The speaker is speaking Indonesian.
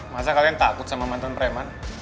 masa kalian takut sama mantan preman